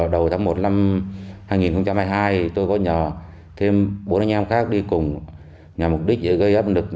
đầu tháng một năm hai nghìn hai mươi hai tôi có nhờ thêm bốn anh em khác đi cùng nhằm mục đích để gây áp lực